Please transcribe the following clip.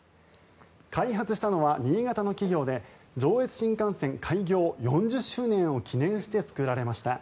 開発したのは新潟の企業で上越新幹線開業４０周年を記念して作られました。